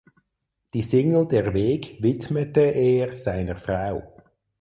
Die Single "Der Weg" widmete er seiner Frau.